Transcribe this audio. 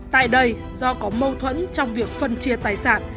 tại đây do có mâu thuẫn trong việc phân chia tài sản